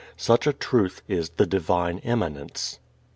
Such a truth is the divine immanence.